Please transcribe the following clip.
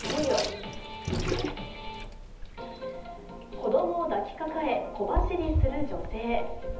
子供を抱き抱え小走りする女性。